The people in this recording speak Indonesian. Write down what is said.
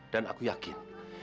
dan aku yakin